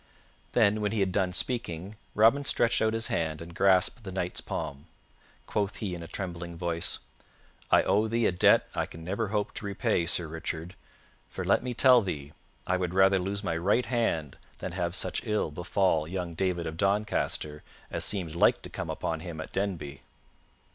Then, when he had done speaking, Robin stretched out his hand and grasped the Knight's palm. Quoth he in a trembling voice, "I owe thee a debt I can never hope to repay, Sir Richard, for let me tell thee, I would rather lose my right hand than have such ill befall young David of Doncaster as seemed like to come upon him at Denby."